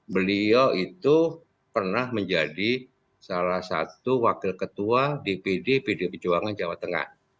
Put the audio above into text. beliau itu pernah menjadi salah satu wakil ketua dpd pdi perjuangan jawa tengah